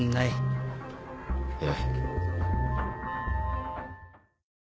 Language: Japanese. ええ。